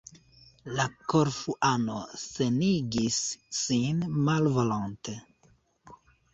La Korfuano senigis sin malvolonte.